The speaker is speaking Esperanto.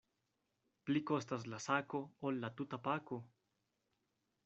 Pli kostas la sako, ol la tuta pako.